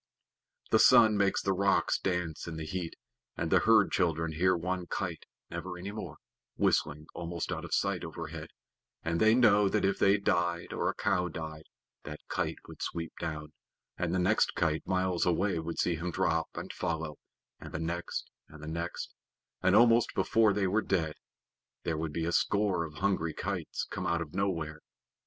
The sun makes the rocks dance in the heat, and the herd children hear one kite (never any more) whistling almost out of sight overhead, and they know that if they died, or a cow died, that kite would sweep down, and the next kite miles away would see him drop and follow, and the next, and the next, and almost before they were dead there would be a score of hungry kites come out of nowhere.